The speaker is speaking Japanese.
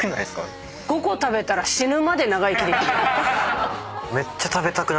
５個食べたら死ぬまで長生きできる。